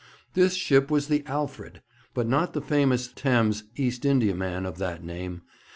This ship was the Alfred, but not the famous Thames East Indiaman of that name.